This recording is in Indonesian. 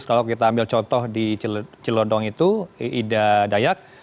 kalau kita ambil contoh di celodong itu ida dayak